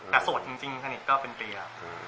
แต่ส่วนจริงเมื่อก่อนจริงก็เป็นทีอะ